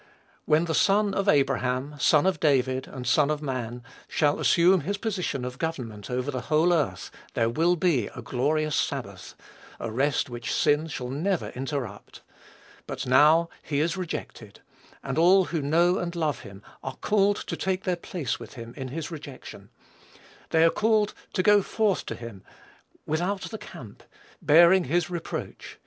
When the Son of Abraham, Son of David, and Son of Man, shall assume his position of government over the whole earth, there will be a glorious sabbath, a rest which sin shall never interrupt. But now, he is rejected, and all who know and love him are called to take their place with him in his rejection; they are called to "go forth to him without the camp bearing his reproach."